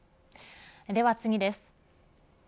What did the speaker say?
では次です。